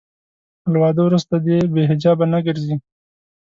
له واده وروسته دې بې حجابه نه ګرځي.